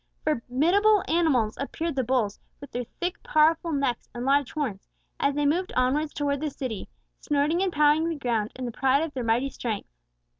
Formidable animals appeared the bulls, with their thick, powerful necks and large horns, as they moved onwards towards the city, snorting and pawing the ground in the pride of their mighty strength.